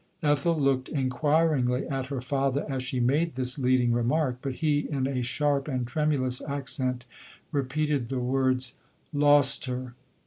Ethel looked inquiringly at her father as she made this leading remark ; but he in a sharp and tremulous accent repeated the w< " Lost her